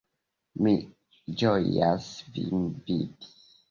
Mi ĝojas vin vidi!